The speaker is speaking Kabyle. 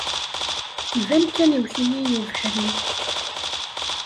Iban kan iwet-iyi ubeḥri.